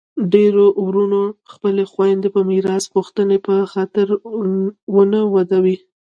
ډیری وروڼه خپلي خویندي د میراث غوښتني په خاطر نه ودوي.